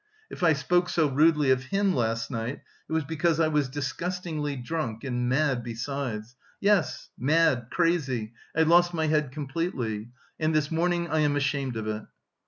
If I spoke so rudely of him last night, it was because I was disgustingly drunk and... mad besides; yes, mad, crazy, I lost my head completely... and this morning I am ashamed of it."